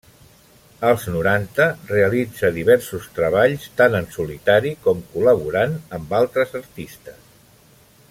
Als noranta realitza diversos treballs tant en solitari com col·laborant amb altres artistes.